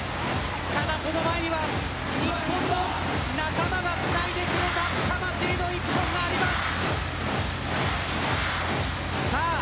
しかし、その前には日本の仲間がつないでくれた魂の１本があります。